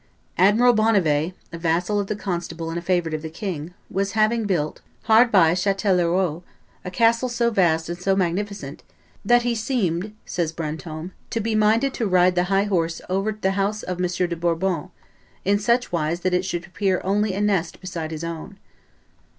Admiral Bonnivet, a vassal of the constable and a favorite of the king, was having built, hard by Chatellerault, a castle so vast and so magnificent, "that he seemed," says Brantome, "to be minded to ride the high horse over the house of M. de Bourbon, in such wise that it should appear only a nest beside his own."